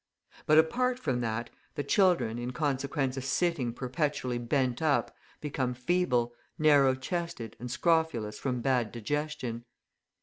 But, apart from that, the children, in consequence of sitting perpetually bent up, become feeble, narrow chested, and scrofulous from bad digestion.